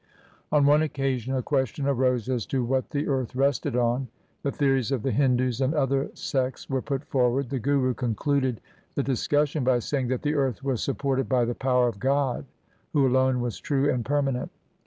On one occasion a question arose as to what the earth rested on. The theories of the Hindus and other sects were put forward. The Guru concluded the discussion by saying that the earth was sup ported by the power of God who alone was true and permanent.